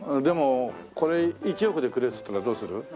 でもこれ１億でくれっつったらどうする？